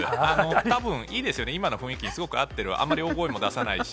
たぶん、いいですよね、今の雰囲気にすごく合っている、あまり大声も出さないし。